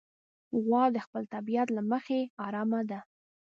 غوا د خپل طبیعت له مخې ارامه ده.